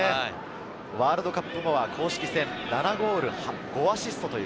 ワールドカップ後は公式戦７ゴール、５アシスト。